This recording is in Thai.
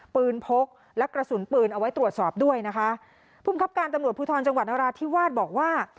พกและกระสุนปืนเอาไว้ตรวจสอบด้วยนะคะภูมิครับการตำรวจภูทรจังหวัดนราธิวาสบอกว่า